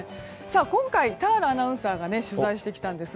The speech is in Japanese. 今回、田原アナウンサーが取材してきたんです。